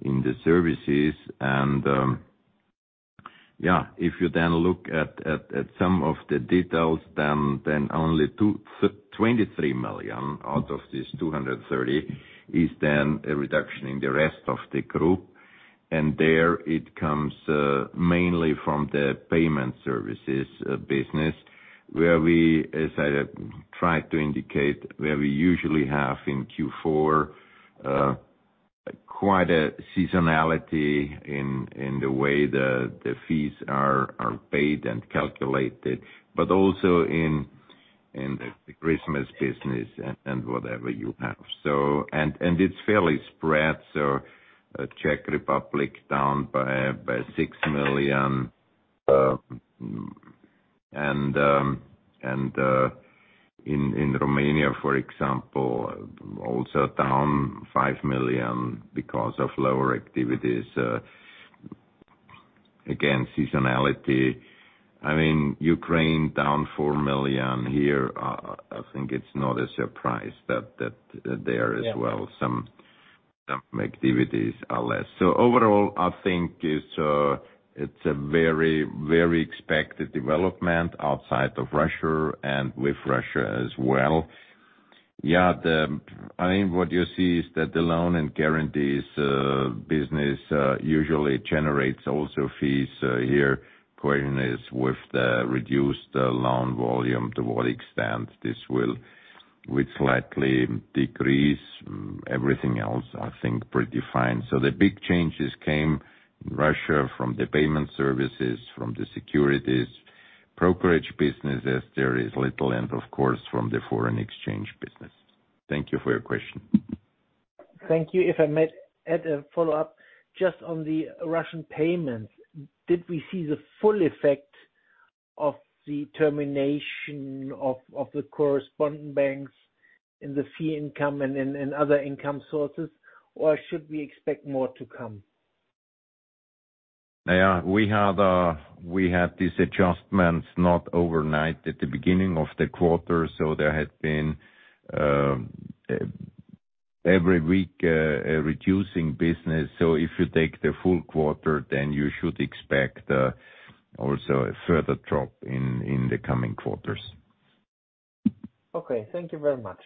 the services. Yeah, if you then look at some of the details, then only 23 million out of this 230 is then a reduction in the rest of the group. There it comes mainly from the payment services business. Where we, as I tried to indicate, where we usually have in Q4, quite a seasonality in the way the fees are paid and calculated, but also in the Christmas business and, whatever you have. It's fairly spread, Czech Republic down by EUR 6 million. In Romania, for example, also down 5 million because of lower activities. Again, seasonality. I mean, Ukraine down 4 million. Here, I think it's not a surprise that there as well some activities are less. Overall, I think it's a very, very expected development outside of Russia and with Russia as well. I mean, what you see is that the loan and guarantees business usually generates also fees, here coordinates with the reduced loan volume. To what extent this will slightly decrease. Everything else, I think, pretty fine. The big changes came Russia from the payment services, from the securities brokerage business, as there is little and of course from the foreign exchange business. Thank you for your question. Thank you. If I may add a follow-up just on the Russian payments. Did we see the full effect of the termination of the correspondent banks in the fee income and in other income sources, or should we expect more to come? Yeah. We had these adjustments not overnight at the beginning of the quarter. There had been, every week, a reducing business. If you take the full quarter, then you should expect, also a further drop in the coming quarters. Okay. Thank you very much.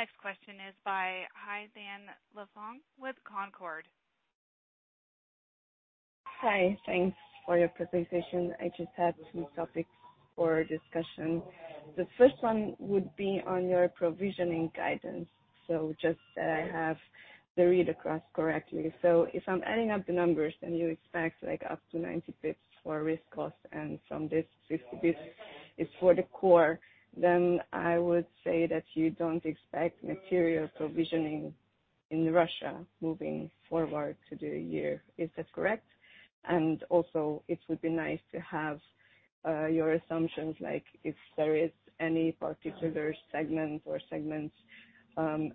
Next question is by Hai Thanh Le Phuong with Concorde. Hi. Thanks for your presentation. I just had two topics for discussion. The first one would be on your provisioning guidance. Just that I have the read across correctly. If I'm adding up the numbers, and you expect, like, up to 90 basis points for risk costs, and from this 50 basis points is for the core, then I would say that you don't expect material provisioning in Russia moving forward to the year. Is that correct? Also, it would be nice to have your assumptions, like if there is any particular segment or segments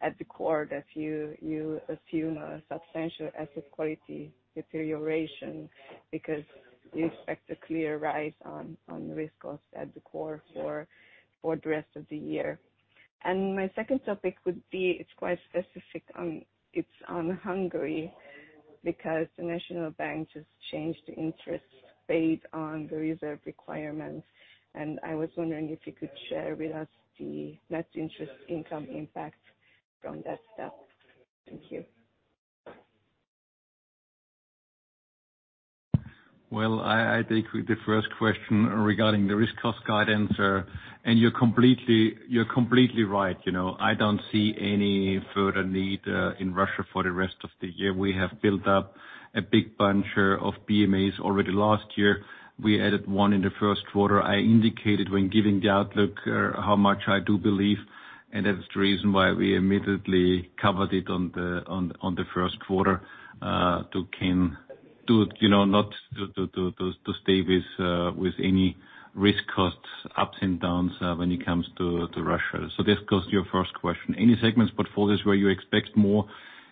at the core that you assume a substantial asset quality deterioration because you expect a clear rise on risk costs at the core for the rest of the year. My second topic would be, it's quite specific. It's on Hungary, because the National Bank just changed the interest paid on the reserve requirements, and I was wondering if you could share with us the net interest income impact from that step. Thank you. I take the first question regarding the risk cost guidance. You're completely right. You know, I don't see any further need in Russia for the rest of the year. We have built up a big bunch of PMAs already last year. We added one in the first quarter. I indicated when giving the outlook how much I do believe, that's the reason why we immediately covered it on the first quarter, you know, not to stay with any risk costs ups and downs when it comes to Russia. This goes to your first question. Any segments, portfolios where you expect more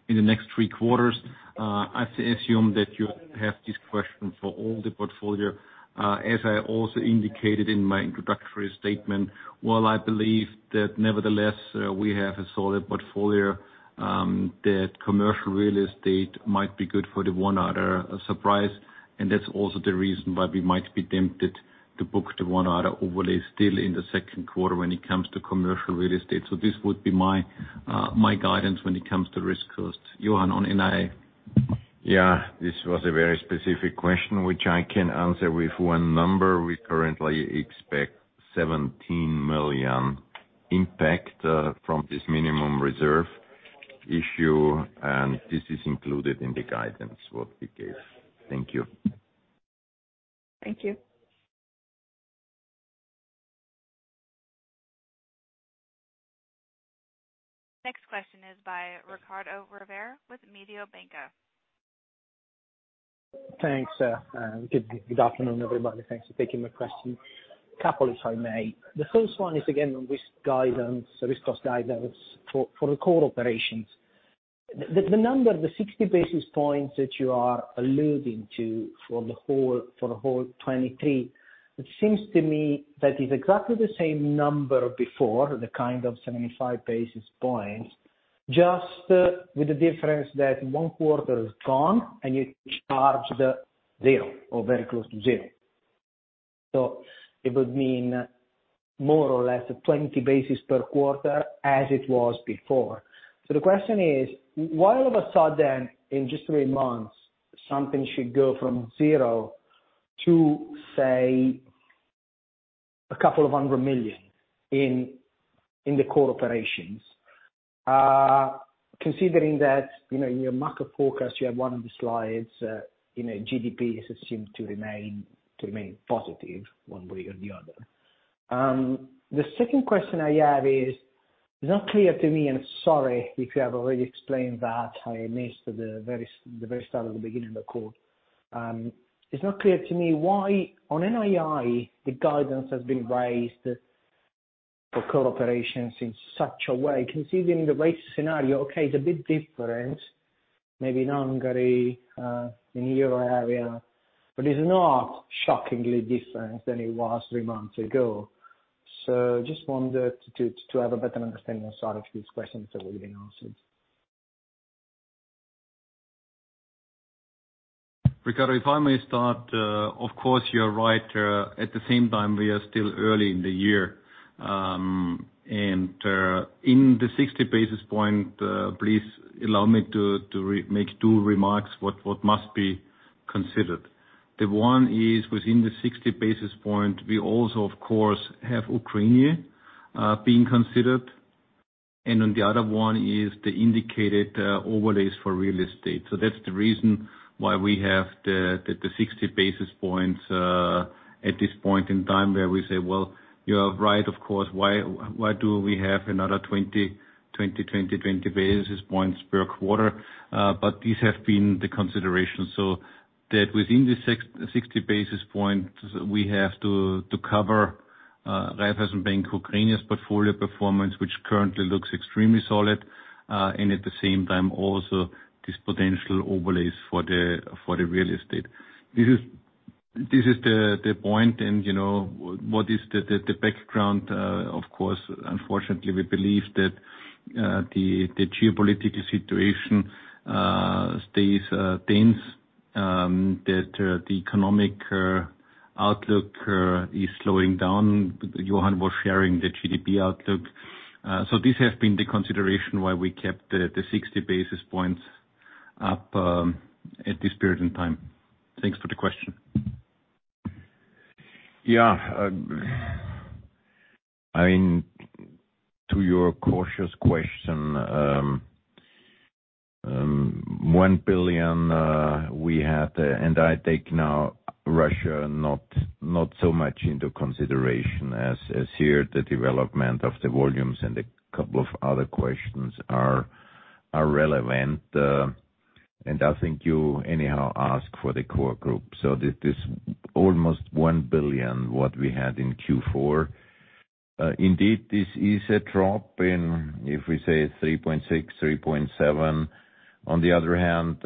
in the next three quarters, I assume that you have this question for all the portfolio. As I also indicated in my introductory statement, while I believe that nevertheless, we have a solid portfolio, that commercial real estate might be good for the one other surprise. That's also the reason why we might be tempted to book the one other overlay still in the second quarter when it comes to commercial real estate. This would be my guidance when it comes to risk costs. Johann, on NII. This was a very specific question, which I can answer with one number. We currently expect 17 million impact from this minimum reserve issue, and this is included in the guidance, what we gave. Thank you. Thank you. Next question is by Riccardo Rovere with Mediobanca. Thanks. Good afternoon, everybody. Thanks for taking my question. Couple, if I may. The first one is again on risk guidance, risk cost guidance for the core operations. The number, the 60 basis points that you are alluding to for the whole, for the whole 2023, it seems to me that is exactly the same number before, the kind of 75 basis points, just with the difference that one quarter is gone, and you charged zero or very close to zero. It would mean more or less 20 basis per quarter as it was before. The question is, why all of a sudden in just three months, something should go from zero to, say, couple of hundred million in the core operations? Considering that, you know, in your macro forecast, you have one of the slides, you know, GDP is assumed to remain positive one way or the other. The second question I have is, it's not clear to me, and sorry if you have already explained that I missed the very start of the beginning of the call. It's not clear to me why on NII the guidance has been raised for cooperations in such a way, considering the rate scenario, okay, it's a bit different, maybe in Hungary, in Euro area, but it's not shockingly different than it was three months ago. Just wondered to have a better understanding of sort of these questions that we've been asking. Ricardo, if I may start, of course you're right. At the same time, we are still early in the year. In the 60 basis points, please allow me to make two remarks what must be considered. The one is within the 60 basis points, we also of course have Ukraine being considered, and on the other one is the indicated overlays for real estate. That's the reason why we have the 60 basis points at this point in time where we say, "Well, you are right, of course. Why do we have another 20 basis points per quarter? These have been the considerations, so that within the 660 basis points, we have to cover Raiffeisen Bank Ukraine's portfolio performance, which currently looks extremely solid, and at the same time also these potential overlays for the real estate. This is the point and, you know, what is the background. Of course, unfortunately, we believe that the geopolitical situation stays tense, that the economic outlook is slowing down. Johann was sharing the GDP outlook. This has been the consideration why we kept the 60 basis points up at this period in time. Thanks for the question. Yeah. I mean, to your cautious question, 1 billion we had, and I take now Russia not so much into consideration as here the development of the volumes and a couple of other questions are relevant. I think you anyhow ask for the core group. This almost 1 billion, what we had in Q4. Indeed, this is a drop in, if we say 3.6, 3.7. On the other hand,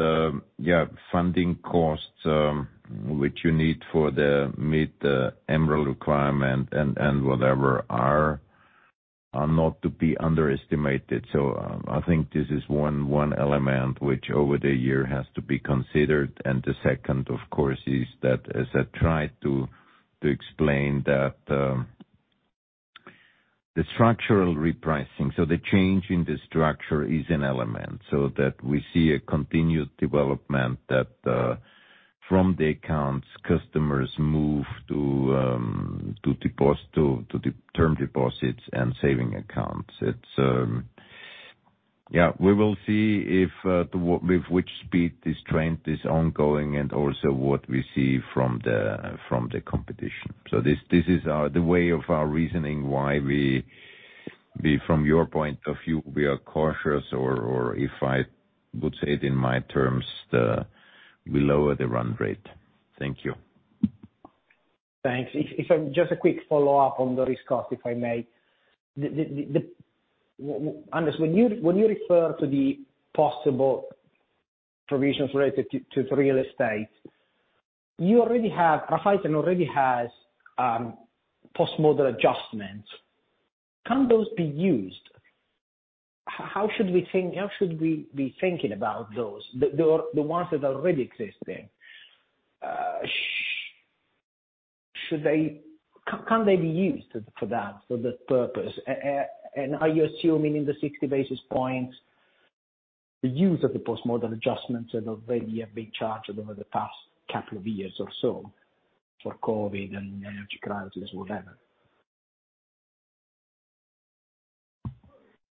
yeah, funding costs, which you need for the meet the MREL requirement and whatever are not to be underestimated. I think this is one element which over the year has to be considered. The second, of course, is that as I tried to explain that the structural repricing, so the change in the structure is an element so that we see a continued development that from the accounts, customers move to term deposits and saving accounts. It's. Yeah. We will see if with which speed this trend is ongoing and also what we see from the, from the competition. This is the way of our reasoning why we from your point of view, we are cautious or if I would say it in my terms, we lower the run rate. Thank you. Thanks. Just a quick follow-up on the risk cost, if I may. Hannes, when you refer to the possible provisions related to real estate, Raiffeisen already has Post Model Adjustments. Can those be used? How should we think? How should we be thinking about those? The ones that are already existing. Can they be used for that purpose? Are you assuming in the 60 basis points, the use of the Post Model Adjustments that have already been charged over the past couple of years or so for COVID and energy crises, whatever?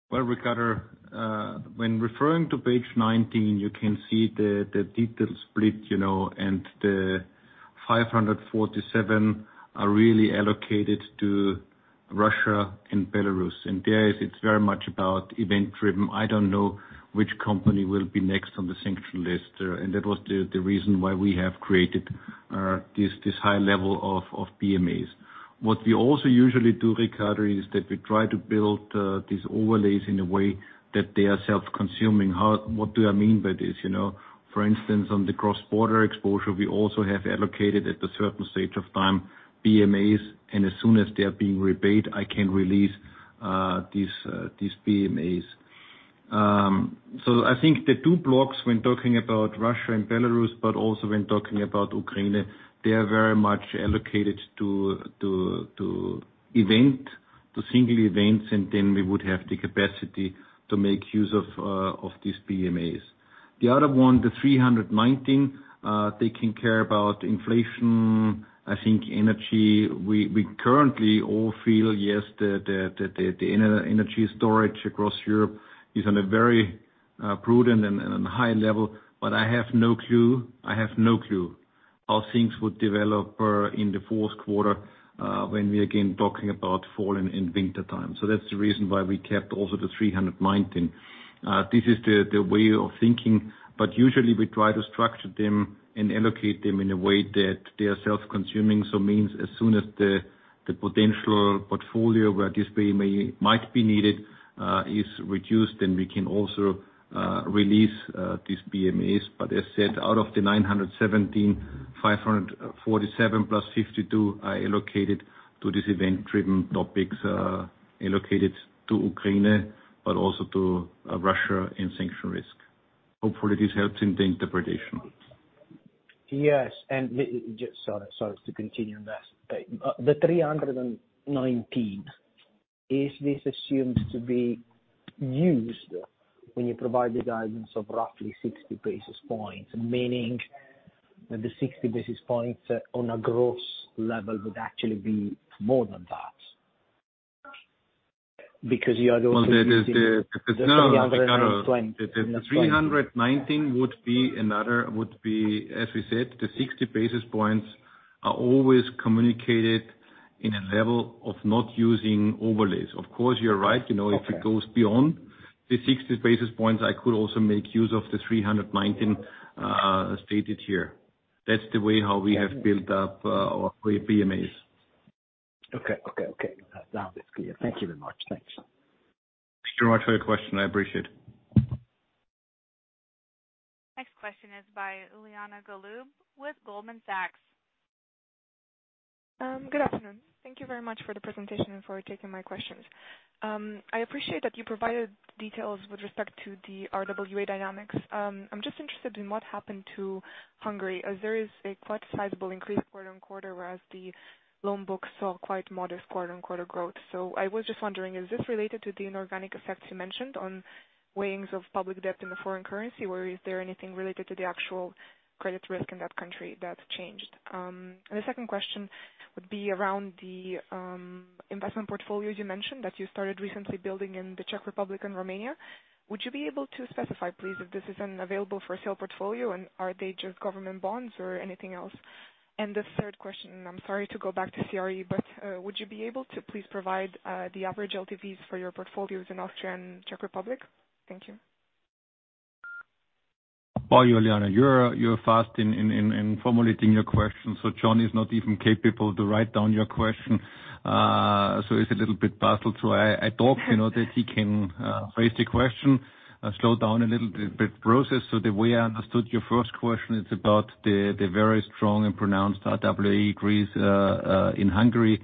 Well, Ricardo, when referring to page 19, you can see the detailed split, you know, and 547 are really allocated to Russia and Belarus. There it's very much about event-driven. I don't know which company will be next on the sanction list. That was the reason why we have created this high level of PMAs. What we also usually do, Ricardo, is that we try to build these overlays in a way that they are self-consuming. What do I mean by this? You know, for instance, on the cross-border exposure, we also have allocated at a certain stage of time PMAs, and as soon as they are being repaid, I can release these PMAs. I think the two blocks when talking about Russia and Belarus, but also when talking about Ukraine, they are very much allocated to single events, and then we would have the capacity to make use of these PMAs. The other one, the 319, taking care about inflation. I think energy, we currently all feel yes, the energy storage across Europe is on a very prudent and high level. I have no clue, I have no clue how things would develop in the fourth quarter when we're again talking about fall and in winter time. That's the reason why we kept also the 319. This is the way of thinking, but usually we try to structure them and allocate them in a way that they are self-consuming. Means as soon as the potential portfolio where this PMA might be needed is reduced, then we can also release these PMAs. As said, out of the 917, 547 plus 52 are allocated to this event-driven topics, allocated to Ukraine, but also to Russia and sanction risk. Hopefully this helps in the interpretation. Yes. Sorry. To continue on that. The 319, is this assumed to be used when you provide the guidance of roughly 60 basis points? Meaning that the 60 basis points on a gross level would actually be more than that because you are going to be using. Well, that is. The other EUR 90. The 319 would be as we said, the 60 basis points are always communicated in a level of not using overlays. Of course, you're right, you know. Okay. If it goes beyond the 60 basis points, I could also make use of the 319 stated here. That's the way how we have built up our PMAs. Okay. Okay. Okay. Now it's clear. Thank you very much. Thanks. Thanks very much for your question. I appreciate it. Next question is by Iuliana Golub with Goldman Sachs. Good afternoon. Thank you very much for the presentation and for taking my questions. I appreciate that you provided details with respect to the RWA dynamics. I'm just interested in what happened to Hungary as there is a quite sizable increase quarter on quarter, whereas the loan book saw quite modest quarter on quarter growth. I was just wondering, is this related to the inorganic effects you mentioned on weighings of public debt in the foreign currency? Is there anything related to the actual credit risk in that country that's changed? The second question would be around the investment portfolios. You mentioned that you started recently building in the Czech Republic and Romania. Would you be able to specify, please, if this is an available for sale portfolio, and are they just government bonds or anything else? The third question, I'm sorry to go back to CRE, would you be able to please provide, the average LTVs for your portfolios in Austria and Czech Republic? Thank you. Well, Iuliana, you're fast in formulating your question, John is not even capable to write down your question. He's a little bit puzzled. I talk, you know, that he can raise the question, slow down a little bit process. The way I understood your first question is about the very strong and pronounced RWA increase in Hungary.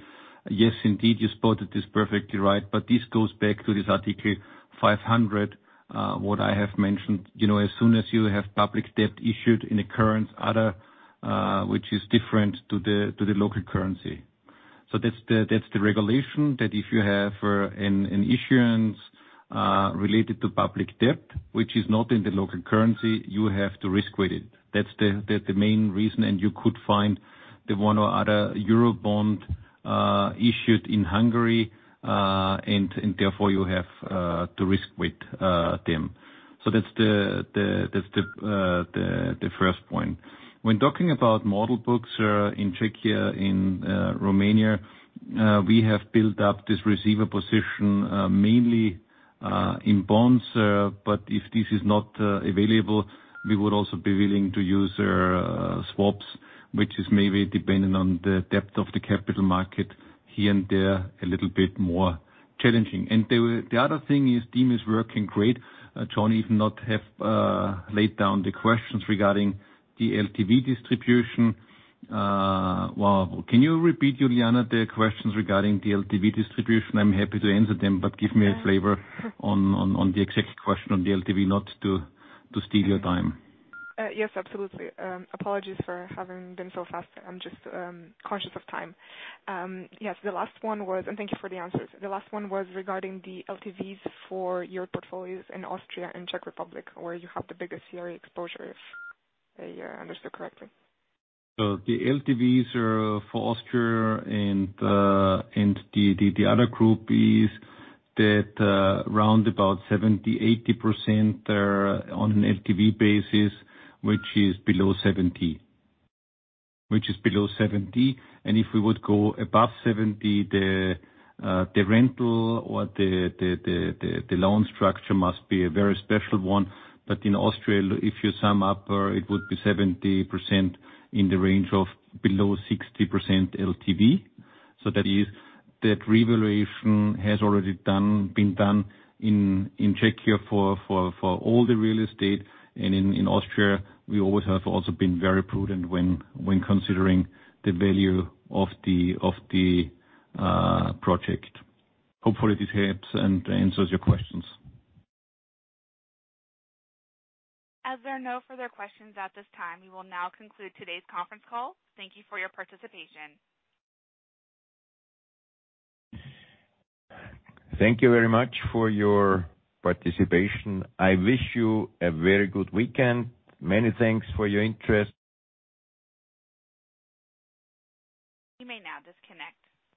Yes, indeed. You spotted this perfectly right. This goes back to this Article 500. What I have mentioned. You know, as soon as you have public debt issued in a current other, which is different to the local currency. That's the regulation that if you have an issuance related to public debt which is not in the local currency, you have to risk weight it. That's the main reason. You could find the one or other euro bond issued in Hungary, and therefore you have to risk weight them. That's the first point. When talking about model books in Czechia, in Romania, we have built up this receivable position mainly in bonds. If this is not available, we would also be willing to use swaps, which is maybe dependent on the depth of the capital market here and there, a little bit more challenging. The other thing is team is working great. John even not have laid down the questions regarding the LTV distribution. Well, can you repeat Iuliana the questions regarding the LTV distribution? I'm happy to answer them, but give me a flavor on the exact question on the LTV not to steal your time. Yes, absolutely. Apologies for having been so fast. I'm just conscious of time. Yes, the last one was. Thank you for the answers. The last one was regarding the LTVs for your portfolios in Austria and Czech Republic, where you have the biggest CRE exposure, if I understood correctly. The LTVs for Austria and the other group is that round about 70%, 80% are on an LTV basis, which is below 70. Which is below 70. If we would go above 70, the rental or the loan structure must be a very special one. In Austria, if you sum up, it would be 70% in the range of below 60% LTV. That is that revaluation has already been done in Czechia for all the real estate. In Austria we always have also been very prudent when considering the value of the project. Hopefully this helps and answers your questions. As there are no further questions at this time, we will now conclude today's conference call. Thank you for your participation. Thank you very much for your participation. I wish you a very good weekend. Many thanks for your interest. You may now disconnect.